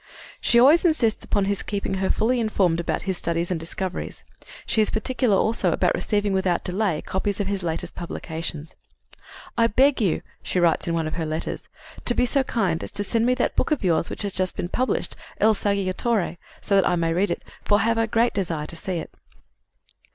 " She always insists upon his keeping her fully informed about his studies and discoveries. She is particular, also, about receiving without delay copies of his latest publications. "I beg you," she writes in one of her letters, "to be so kind as to send me that book of yours which has just been published, Il Saggiatore, so that I may read it; for I have a great desire to see it."